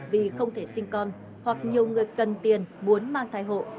vì không thể sinh con hoặc nhiều người cần tiền muốn mang thai hộ